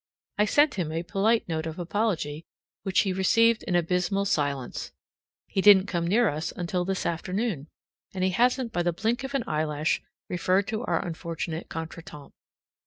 I sent him a polite note of apology, which he received in abysmal silence. He didn't come near us until this afternoon, and he hasn't by the blink of an eyelash referred to our unfortunate contretemps.